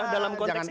dalam konteks ini